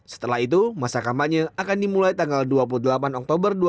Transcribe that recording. setelah itu masa kampanye akan dimulai tanggal dua puluh delapan oktober